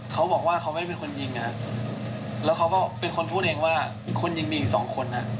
เขาบอกว่าเขาไม่เป็นคนยิงแล้วเขาเป็นคนพูดเองว่าคนยิงมีอีก๒คน